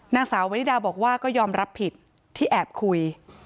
นางสาววริดาบอกว่าก็ยอมรับผิดที่แอบคุย